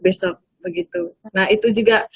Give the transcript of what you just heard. besok begitu nah itu juga